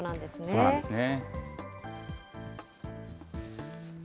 そうなんですね。